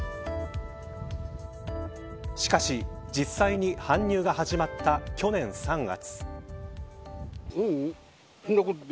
しかし、実際に搬入が始まった去年３月。